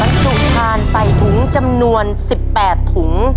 ประสุทธิ์ทานใส่ถุงจำนวนสิบแปดถุง